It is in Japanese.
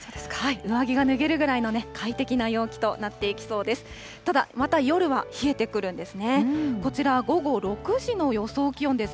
上着が脱げるぐらいの快適な陽気となっていきそうです。